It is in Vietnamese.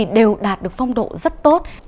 đều đạt được phong độ rất tốt